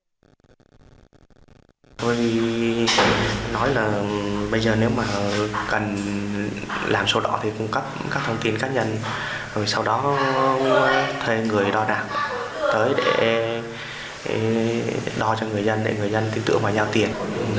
tôi nói là bây giờ nếu mà cần làm sổ đỏ thì cung cấp các thông tin cá nhân rồi sau đó thuê người đo đạc tới để đo cho người dân để người dân tin tưởng và giao tiền